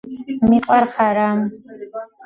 მიყვარხარა